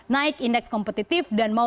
naik indeks kompetitif dan mau